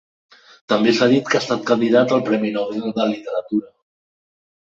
També s'ha dit que ha estat candidat al Premi Nobel de Literatura.